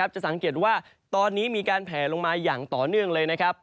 จะสังเกตว่าตอนนี้มีการแผลลงมาอย่างต่อเนื่องเลยนะครับ